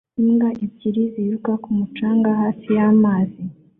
Imbwa ebyiri ziruka ku mucanga hafi y'amazi